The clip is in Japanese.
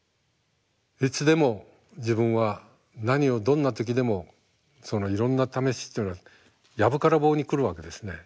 いつでも自分は何をどんな時でもそのいろんな試しっていうのは藪から棒に来るわけですね。